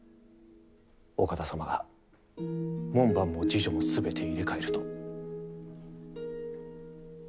お方様が門番も侍女も、全て入れ替えると。